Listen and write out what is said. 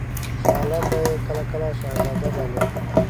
شاه عالم به یې کله کله شهزاده باله.